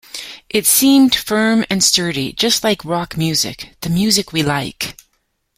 It seemed firm and sturdy just like rock music, the music we like.